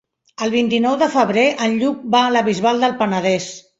El vint-i-nou de febrer en Lluc va a la Bisbal del Penedès.